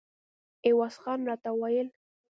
عوض خان راته ویل.